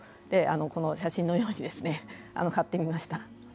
この写真のように買ってみました。